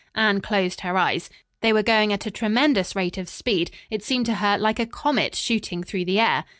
Anne closed her eyes. They were going at a tremendous rate of speed, it seemed to her, like a comet shooting through the air.